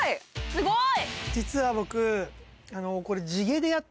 すごい！